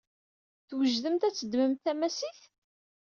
Twejdemt ad teddmemt tamasit?